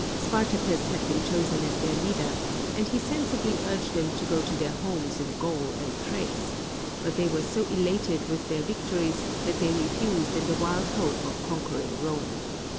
Sparta cus had been chosen as their leader, and he sensibly urged them to go to their homes in Gaul and Thrace; but they were so elated with their victories that they refused in the wild hope of conquering Rome.